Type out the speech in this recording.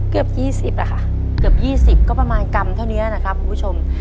เกือบยี่สิบอ่ะค่ะเกือบยี่สิบก็ประมาณกำเท่านี้แล้วนะครับคุณผู้ชม